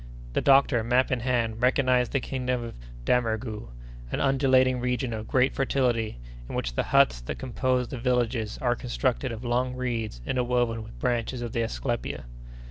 The doctor, map in hand, recognized the kingdom of Damerghou, an undulating region of great fertility, in which the huts that compose the villages are constructed of long reeds interwoven with branches of the asclepia.